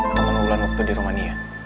temen ulan waktu di rumania